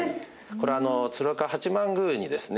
これは鶴岡八幡宮にですね